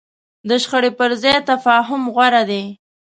د شخړې پر ځای تفاهم غوره دی.